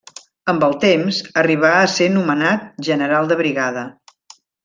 Amb el temps, arribà a ser nomenat General de Brigada.